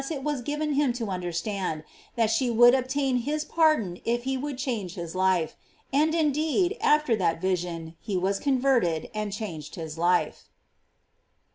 139 was given him to understand, that she would ob» tain his pardon if he would change his life; and, indeed, after that vision he was converted and changed his life.